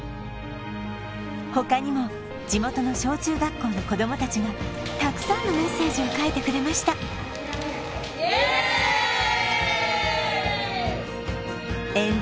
他にも地元の小中学校の子供達がたくさんのメッセージを書いてくれましたイエイ！